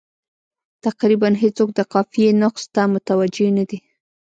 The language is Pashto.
تقریبا هېڅوک د قافیې نقص ته متوجه نه دي.